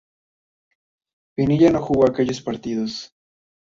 Pinilla no jugó aquellos partidos.